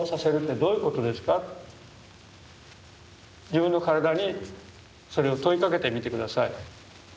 自分の身体にそれを問いかけてみて下さい。